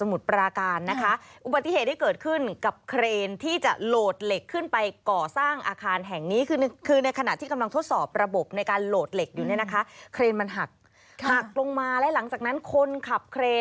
สมุดปราการนะคะอุบัติเหตุที่เกิดขึ้นกับเครนที่จะโหลดเหล็กขึ้นไปก่อสร้างอาคารแห่งนี้คือคือในขณะที่กำลังทดสอบระบบในการโหลดเหล็กอยู่ในนะคะ